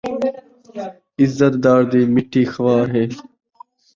عزت دار دی مٹی خوار ہے